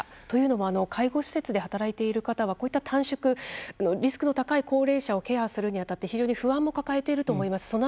というのも、介護施設で働いている方はこういった短縮リスクの高い高齢者をケアするに当たって非常に不安を抱えていると思います。